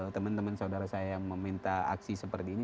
teman teman saudara saya yang meminta aksi seperti ini